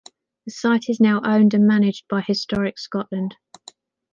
The site is now owned and managed by Historic Scotland.